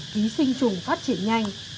ký sinh trùng phát triển nhanh